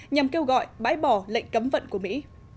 nhằm kêu gọi bãi bỏ lệnh cấm vận của mỹ